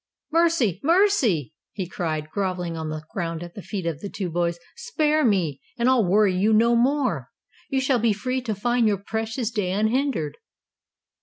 "Mercy! Mercy!" he cried, grovelling on the ground at the feet of the two boys. "Spare me, and I'll worry you no more! You shall be free to find your precious day unhindered."